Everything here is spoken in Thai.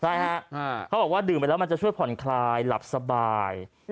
ใช่ฮะเขาบอกว่าดื่มไปแล้วมันจะช่วยผ่อนคลายหลับสบาย